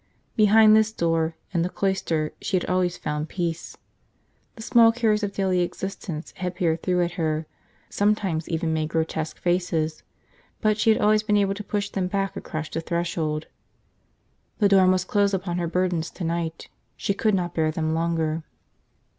Behind this door, in the cloister, she had always found peace. The small cares of daily existence had peered through at her, sometimes even made grotesque faces, but she had always been able to push them back across the threshold. The door must close upon her burdens tonight. She could not bear them longer.